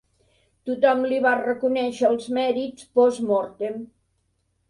Tothom li va reconèixer els mèrits 'post mortem'.